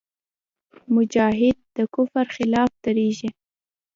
مجاهد د کفر خلاف درېږي.